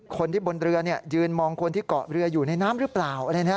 คนที่บนเรือยืนมองคนที่เกาะเรืออยู่ในน้ำหรือเปล่าอะไรนะ